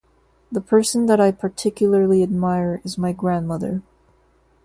The person that I particularly admire is my grandmother.